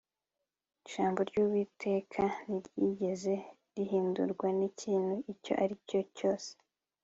Jambo ryUwiteka ntiryigeze rihindurwa nikintu icyo ari cyo cyose